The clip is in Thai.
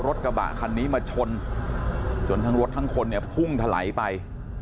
รถกระบะคันนี้มาชนจนทั้งรถทั้งคนเนี่ยพุ่งถลายไป